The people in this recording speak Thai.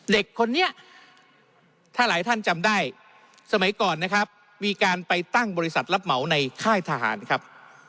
เด็กคนนี้ถ้าหลายท่านจำได้สมัยก่อนนะครับมีการไปตั้งบริษัทรับเหมาในค่ายทหารครับ